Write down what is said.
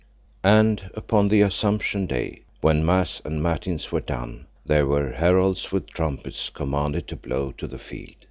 And upon the Assumption Day, when mass and matins were done, there were heralds with trumpets commanded to blow to the field.